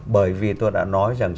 bởi vì tôi đã nói rằng